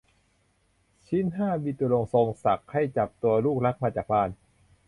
ชิ้นห้าบิตุรงค์ทรงศักดิ์ ให้จับตัวลูกรักมาจากบ้าน